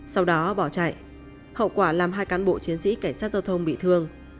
sau đó bỏ chạy hậu quả làm hai cán bộ chiến sĩ cảnh sát giao thông bị thương